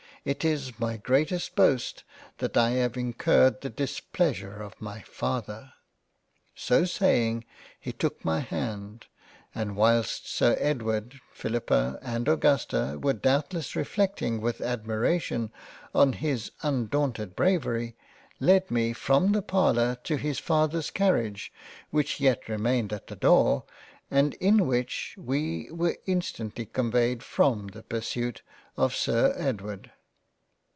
It is my greatest boast that I have incurred the displeasure of my Father !" So saying, he took my hand and whilst Sir Edward, Philippa, and Augusta were doubtless reflecting with admira tion on his undaunted Bravery, led me from the Parlour to his Father's Carriage which yet remained at the Door and in which we were instantly conveyed from the pursuit of Sir Edward.